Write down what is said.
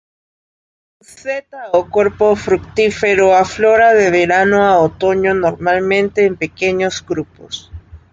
Su seta, o cuerpo fructífero, aflora de verano a otoño, normalmente en pequeños grupos.